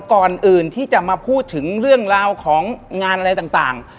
ก่อนอื่นที่จะมาพูดถึงเรื่องราวของงานอะไรต่าง